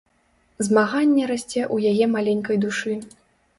Змаганне расце ў яе маленькай душы.